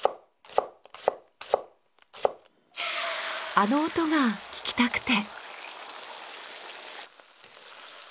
あの音が聞きたくて。